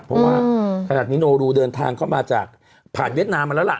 เพราะว่าขนาดนี้โนรูเดินทางเข้ามาจากผ่านเวียดนามมาแล้วล่ะ